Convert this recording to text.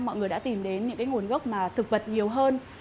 mọi người đã tìm đến những nguồn gốc thực vật nhiều hơn